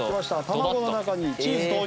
卵の中にチーズ投入。